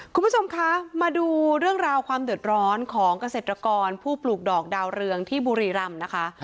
คุณผู้ชมคะมาดูเรื่องราวความเดือดร้อนของเกษตรกรผู้ปลูกดอกดาวเรืองที่บุรีรำนะคะ